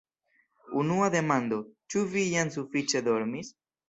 Unua demando, ĉu vi jam sufiĉe dormis?